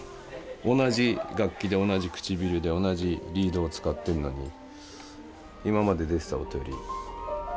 同じ楽器で同じ唇で同じリードを使ってるのに今まで出てた音より違う音は出る。